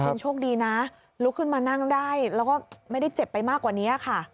คุณโชคดีนะลุกขึ้นมานั่งได้แล้วก็ไม่ได้เจ็บไปมากกว่านี้ค่ะ